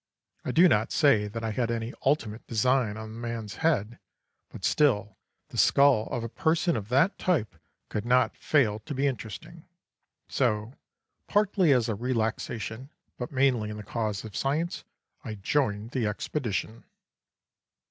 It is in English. I do not say that I had any ultimate designs on the man's head, but still the skull of a person of that type could not fail to be interesting. So, partly as a relaxation, but mainly in the cause of science, I joined the expedition.